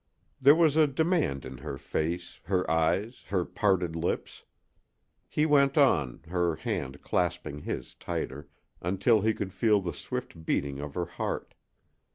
There was a demand in her face, her eyes, her parted lips. He went on, her hand clasping his tighter, until he could feel the swift beating of her heart.